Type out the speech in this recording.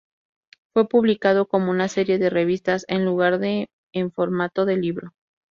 Fue publicado como una serie de revistas en lugar de en formato de libro.